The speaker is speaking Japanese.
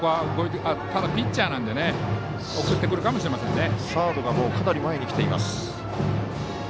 ただ、ピッチャーなので送ってくるかもしれませんね。